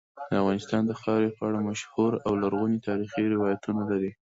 افغانستان د خاورې په اړه مشهور او لرغوني تاریخی روایتونه لري.